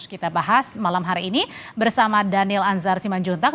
kita bahas malam hari ini bersama daniel anzar simanjuntak